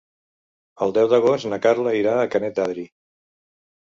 El deu d'agost na Carla irà a Canet d'Adri.